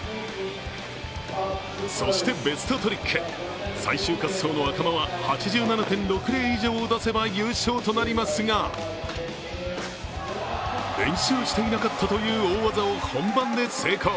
そしてベストトリック、最終滑走の赤間は８７．６０以上を出せば優勝となりますが練習していなかったという大技を本番で成功。